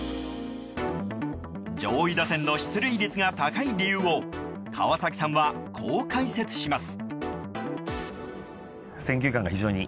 上位打線の出塁率が高い理由を川崎さんは、こう解説します。